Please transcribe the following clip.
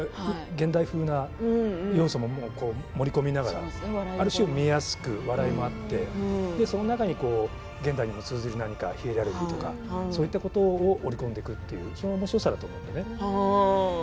現代風な要素も盛り込みながらある種、見やすく笑いもあってその中に現代にも通ずるヒエラルキーとかそういったものを盛り込んでくるというおもしろさがありますのでね。